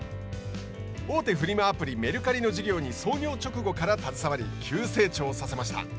大手フリマアプリメルカリの事業に創業直後から携わり急成長させました。